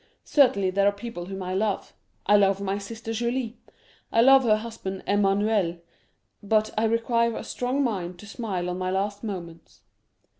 Certainly, there are people whom I love. I love my sister Julie,—I love her husband Emmanuel; but I require a strong mind to smile on my last moments.